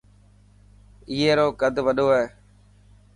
اي رو قد وڏو هي.